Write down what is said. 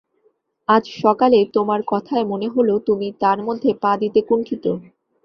আজ সকালে তোমার কথায় মনে হল, তুমি তার মধ্যে পা দিতে কুণ্ঠিত।